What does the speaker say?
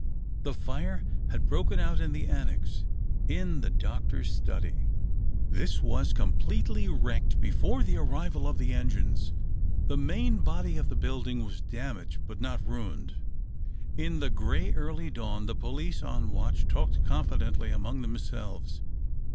The fire had broken out in the annexe — in the doctor's study. This was completely 324 THE OCTAVE OF CLAUDIUS. wrecked before the arrival of the engines. The main body of the building was damaged l)ut not ruined. In the grey, early dawn the police on watch talked confidentially among themselves.